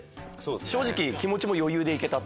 正直気持ちも余裕で行けた。